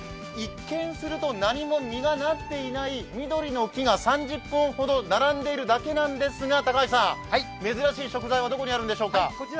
一見すると何も実がなっていない緑の木が３０本ほど並んでいるだけなんですが、珍しい食材はどこにあるんでしょうか？